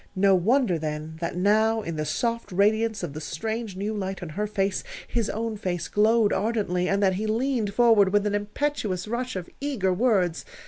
No wonder then, that now, in the soft radiance of the strange, new light on her face, his own face glowed ardently, and that he leaned forward with an impetuous rush of eager words.